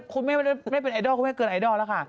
คุณไม่เป็นล่ะค่ะ